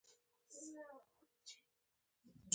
د دې طبقې خاوره باید د سرک جوړولو دمخه تپک کاري شي